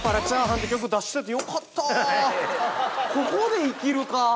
ここで生きるか！